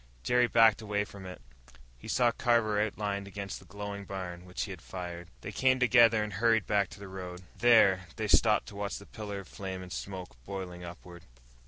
Jerry backed away from it. He saw Carver outlined against the glowing barn, which he had fired. They came together and hurried back to the road. There they stopped to watch the pillar of flame and smoke, boiling upward.